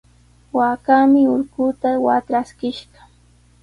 Waakaami urquta watraskishqa.